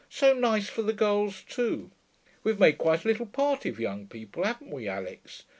So nice for the girls, too. We've made quite a little party of young people, haven't we, Alix?